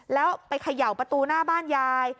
แล้วไปเขย่าประตูหน้าบ้านยาย